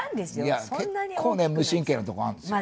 いやあ結構ね無神経なとこがあるんですよ。